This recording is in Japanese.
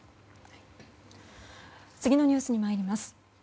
次のニュースにまいります。